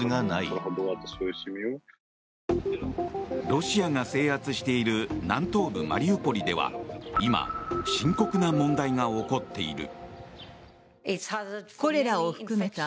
ロシアが制圧している南東部マリウポリでは今、深刻な問題が起こっている。